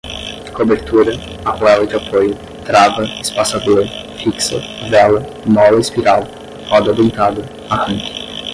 cobertura, arruela de apoio, trava, espaçador, fixa, vela, mola espiral, roda dentada, arranque